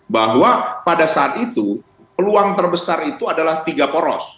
bahwa pada saat itu peluang terbesar itu adalah tiga poros